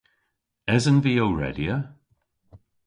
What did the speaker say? Esen vy ow redya?